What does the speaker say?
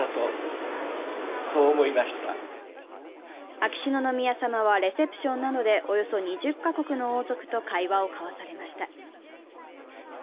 秋篠宮さまはレセプションなどでおよそ２０か国の王族と会話を交わされました。